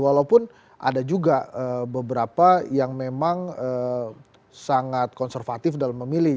walaupun ada juga beberapa yang memang sangat konservatif dalam memilih